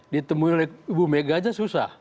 ditemui oleh ibu mega aja susah